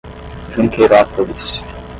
Junqueirópolis